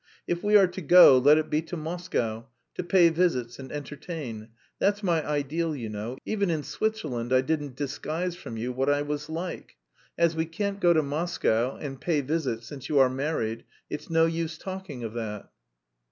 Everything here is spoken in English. If we are to go, let it be to Moscow, to pay visits and entertain that's my ideal you know; even in Switzerland I didn't disguise from you what I was like. As we can't go to Moscow and pay visits since you are married, it's no use talking of that."